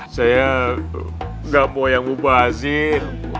saya nggak mau yang mubazir